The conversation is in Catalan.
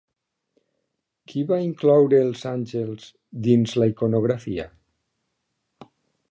Qui va incloure els àngels dins la iconografia?